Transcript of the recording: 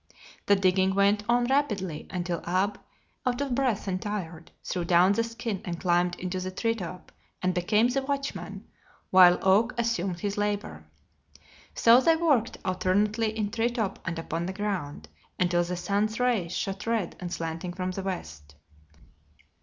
The digging went on rapidly until Ab, out of breath and tired, threw down the skin and climbed into the treetop and became the watchman, while Oak assumed his labor. So they worked alternately in treetop and upon the ground until the sun's rays shot red and slanting from the west.